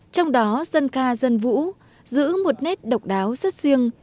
trong đó dân ca dân vũ giữ một nét độc đáo rất riêng